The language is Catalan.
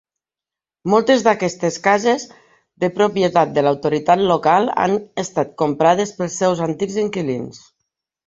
Moltes d'aquestes cases de propietat de l'autoritat local han estat comprades pels seus antics inquilins.